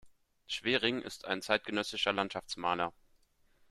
Schwering ist ein zeitgenössischer Landschaftsmaler.